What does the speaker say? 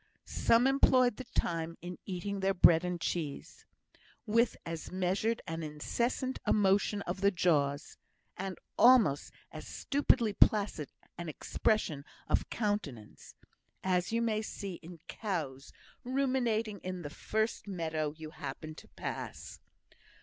Some employed the time in eating their bread and cheese, with as measured and incessant a motion of the jaws (and almost as stupidly placid an expression of countenance), as you may see in cows ruminating in the first meadow you happen to pass.